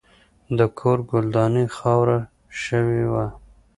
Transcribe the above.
د کور ګلداني خاوره شوې وه.